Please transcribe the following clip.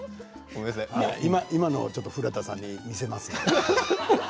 今のは古田さんに見せますから。